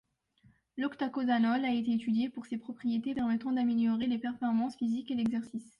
L'octacosanol a été étudié pour ses propriétés permettant d'améliorer les performances physiques et l'exercice.